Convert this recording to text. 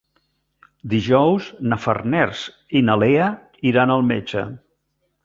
Dijous na Farners i na Lea iran al metge.